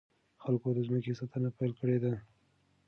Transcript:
خلکو د ځمکې ساتنه پيل کړې ده.